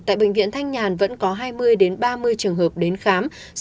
tại bệnh viện thanh nhàn vẫn có hai mươi ba mươi trường hợp đến khám